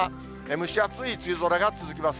蒸し暑い梅雨空が続きます。